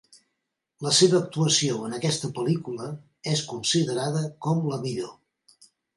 La seva actuació en aquesta pel·lícula és considerada com la millor.